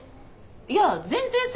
いや全然そ